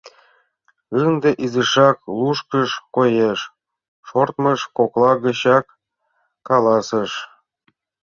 Ынде изишак лушкыш коеш, шортмыж кокла гычак каласыш: